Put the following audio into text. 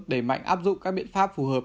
để mạnh áp dụng các biện pháp phù hợp